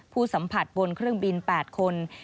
ผู้สัมผัสบนเครื่องบิน๘คน